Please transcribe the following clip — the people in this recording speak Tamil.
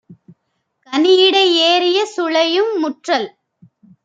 கனியிடை ஏறிய சுளையும் - முற்றல்